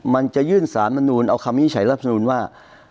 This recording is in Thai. ๒มันจะยื่นสารลำนูนเอาคำนี้ใช้ลำนูนว่า